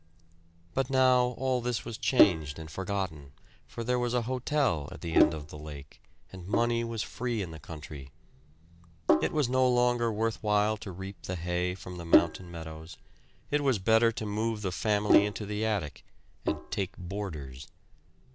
But now all this was changed and forgotten; for there was a hotel at the end of the lake, and money was free in the country. It was no longer worth while to reap the hay from the mountain meadows; it was better to move the family into the attic, and "take boarders."